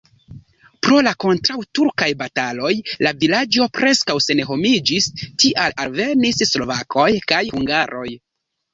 Pro la kontraŭturkaj bataloj la vilaĝo preskaŭ senhomiĝis, tial alvenis slovakoj kaj hungaroj.